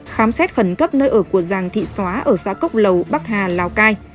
khám xét khẩn cấp nơi ở của giàng thị xóa ở xã cốc lầu bắc hà lào cai